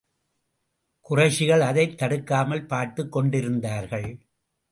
குறைஷிகள் அதைத் தடுக்காமல் பார்த்துக் கொண்டிருந்தார்கள்.